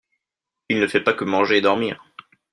Il ne fait pas que manger et dormir.